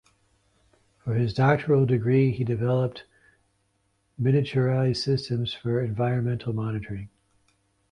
For his doctoral degree he developed miniaturised systems for environmental monitoring.